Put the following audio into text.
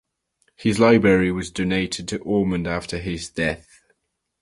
His library was donated to Ormond after his death.